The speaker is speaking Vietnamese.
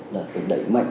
để đẩy mạnh